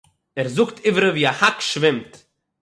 ער זאָגט עבֿרי ווי אַ האַק שווימט.